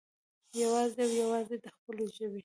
يوازې او يوازې د خپلو ژبې